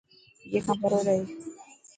اي کان پرو رهي.